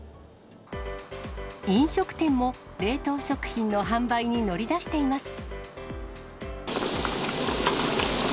飲食店も、冷凍食品の販売に乗り出しています。